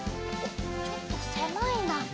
ちょっとせまいな。